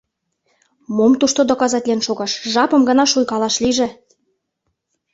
Мом тушто доказатлен шогаш — жапым гына шуйкалаш лийже!